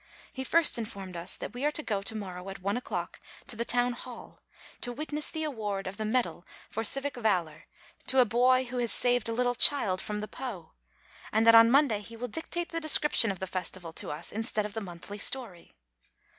He first informed us that we are to go to morrow at one o'clock to the town hall to witness the award of the medal for civic valor to a boy who has saved a little child from the Po, and that on Monday he will dictate the description of the festival to us instead of the monthly story.